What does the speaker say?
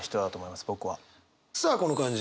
さあこの感じ